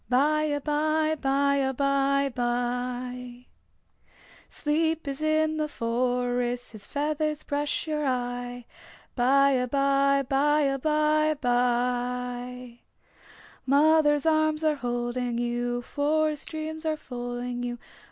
By abye, by abye bye. Sleep is in the forest His feathers brush your eye. By abye, by abye bye. Mother's arms are holding you, Forest dreams are folding you.